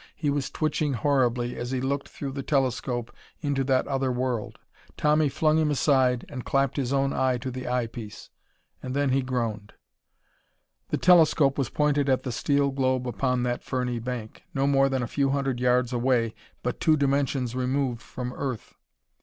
He was twitching horribly as he looked through the telescope into that other world.... Tommy flung him aside and clapped his own eye to the eyepiece. And then he groaned. The telescope was pointed at the steel globe upon that ferny bank, no more than a few hundred yards away but two dimensions removed from Earth.